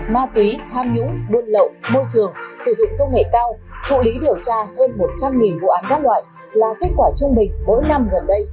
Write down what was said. ma túy tham nhũng buôn lậu môi trường sử dụng công nghệ cao thụ lý điều tra hơn một trăm linh vụ án các loại là kết quả trung bình mỗi năm gần đây